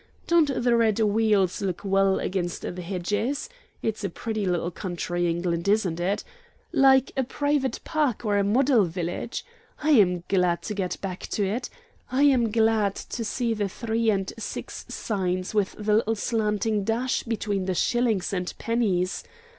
"Don't the red wheels look well against the hedges? It's a pretty little country, England, isn't it? like a private park or a model village. I am glad to get back to it I am glad to see the three and six signs with the little slanting dash between the shillings and pennies.